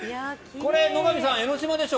これ、野上さん江の島でしょ？